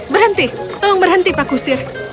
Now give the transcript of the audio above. berhenti tolong berhenti pak kusir